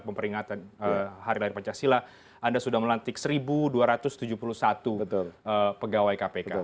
pemberingatan hari lahir pancasila anda sudah melantik satu dua ratus tujuh puluh satu pegawai kpk